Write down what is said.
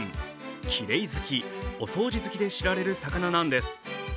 きれい好き、お掃除好きで知られる魚なんです。